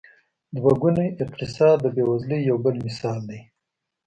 دوه ګونی اقتصاد د بېوزلۍ یو بل مثال دی.